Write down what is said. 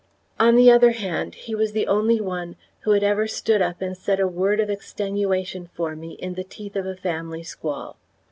On the other hand, he was the only one who had ever stood up and said a word of extenuation for me in the teeth of a family squall.